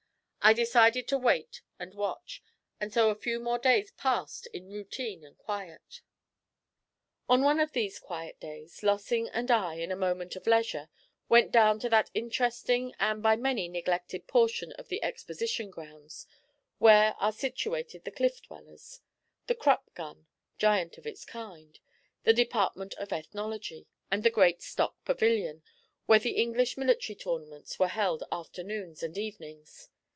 I decided to wait and watch, and so a few more days passed in routine and quiet. On one of these quiet days Lossing and I, in a moment of leisure, went down to that interesting, and by many neglected, portion of the Exposition grounds where are situated the cliff dwellers; the Krupp gun, giant of its kind; the Department of Ethnology, and the great Stock Pavilion, where the English military tournaments were held afternoons and evenings.